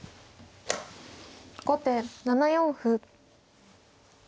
後手７四歩。